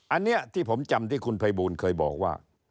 อันนี้ที่ผมจำที่คุณภัยบูลเคยบอกว่า